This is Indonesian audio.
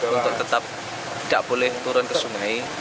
untuk tetap tidak boleh turun ke sungai